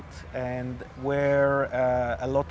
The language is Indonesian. dan di tempat